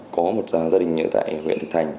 có một gia đình ở huyện thực thành